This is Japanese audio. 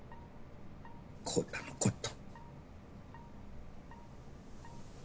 昂太のこと。